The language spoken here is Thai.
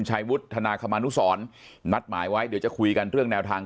วุฒนาคมานุสรนัดหมายไว้เดี๋ยวจะคุยกันเรื่องแนวทาง